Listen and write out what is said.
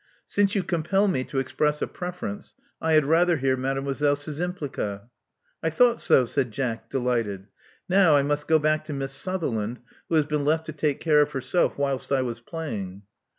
Since you compel me to express a preference, I had rather hear Mademoiselle Szczympliga. " *'I thought so," said Jack, delighted. Now I must go back to Miss Sutherland, who has been left to take care of herself whilst I was playing.